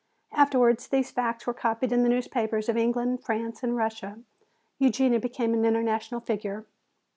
Afterwards these facts were copied in the newspapers of England, France and Russia. Eugenia became an international figure.